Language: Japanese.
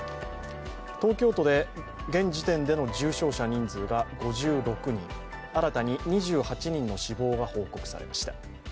東京都で現時点での重症者人数が５６人、新たに２８人の死亡が報告されました。